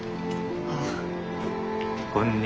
ああ。